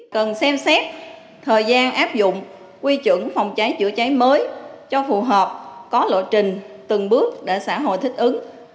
cần xem xét thời gian áp dụng quy chuẩn phòng cháy chữa cháy mới cho phù hợp có lộ trình từng bước để xã hội thích ứng